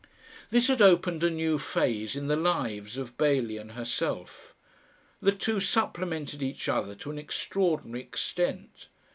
This had opened a new phase in the lives of Bailey and herself. The two supplemented each other to an extraordinary extent.